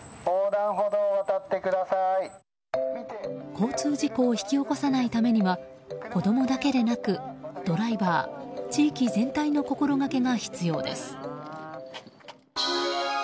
交通事故を引き起こさないためには子供だけでなくドライバー地域全体の心がけが必要です。